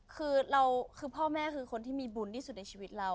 คือเราคือพ่อแม่คือคนที่มีบุญที่สุดในชีวิตเรา